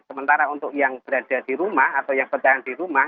sementara untuk yang berada di rumah atau yang bertahan di rumah